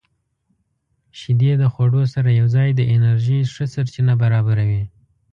• شیدې د خوړو سره یوځای د انرژۍ ښه سرچینه برابروي.